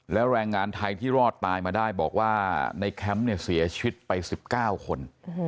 แล้วแรงงานไทยที่รอดตายมาได้บอกว่าในแคมป์เนี่ยเสียชีวิตไป๑๙คน